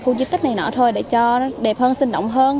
khu di tích này nọ thôi để cho nó đẹp hơn sinh động hơn